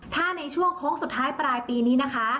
ถ้าในช่วงโค้งสุดท้ายปลายปีนี้นะคะ